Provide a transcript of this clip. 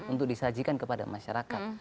untuk disajikan kepada masyarakat